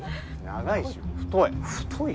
長いし太い。